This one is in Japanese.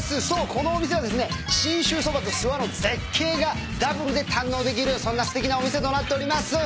このお店はですね信州そばと諏訪の絶景がダブルで堪能できるそんなすてきなお店となっております。